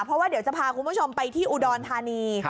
เพราะว่าเดี๋ยวจะพาคุณผู้ชมไปที่อุดรธานี